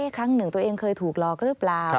ครั้งหนึ่งตัวเองเคยถูกหลอกหรือเปล่า